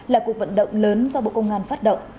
là cuộc vận động lớn do bộ công an phát động